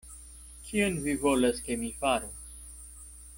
Kion vi volas, ke mi faru?